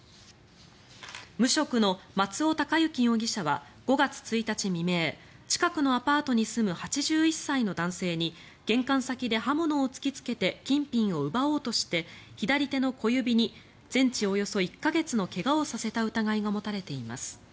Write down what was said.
無職の松尾孝之容疑者は５月１日未明近くのアパートに住む８１歳の男性に玄関先で刃物を突きつけて金品を奪おうとして左手の小指に全治およそ１か月の怪我をさせた疑いが持たれています。